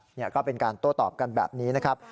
เนี่ยก็เป็นการโต้ตอบกันแบบนี้นะครับ